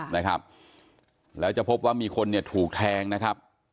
นะครับแล้วจะพบว่ามีคนเนี่ยถูกแทงนะครับ